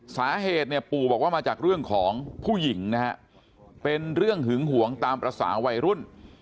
สาเหตุเนี่ยปู่บอกว่ามาจากเรื่องของผู้หญิงนะฮะเป็นเรื่องหึงหวงตามภาษาวัยรุ่น